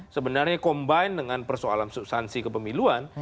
sebenarnya combine dengan persoalan substansi kepemiluan